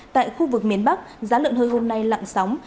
tại khu vực miền bắc giá lợn hơi hôm nay lặng sóng